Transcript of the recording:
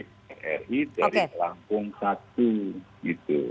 dari langkung satu gitu